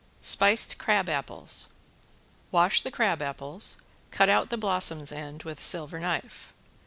~SPICED CRABAPPLES~ Wash the crabapples, cut out the blossoms end with a silver knife.